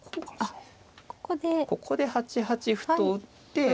ここで８八歩と打って。